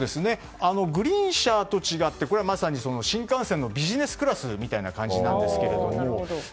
グリーン車と違ってこれはまさに新幹線のビジネスクラスみたいな感じなんですが。